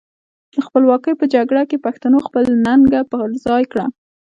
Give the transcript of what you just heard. د خپلواکۍ په جګړه کې پښتنو خپله ننګه پر خای کړه.